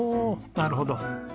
なるほど。